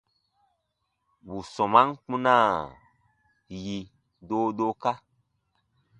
Bù sɔmaan kpunaa yi doodooka.